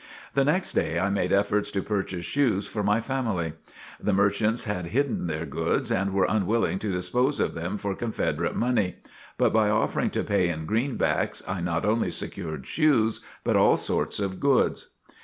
The next day I made efforts to purchase shoes for my family. The merchants had hidden their goods and were unwilling to dispose of them for Confederate money. But by offering to pay in greenbacks, I not only secured shoes but all sorts of goods.